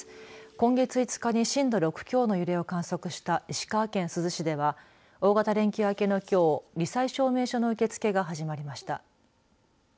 今月５日に震度６強の揺れを観測した石川県珠洲市では大型連休明けのきょうり災証明書の受け付けが始まりました。